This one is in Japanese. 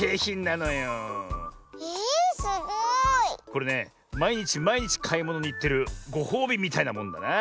これねまいにちまいにちかいものにいってるごほうびみたいなもんだな。